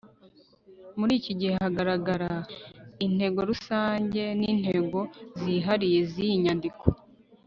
Muri iki gice haragaragara intego rusange n intego zihariye z iyi nyandiko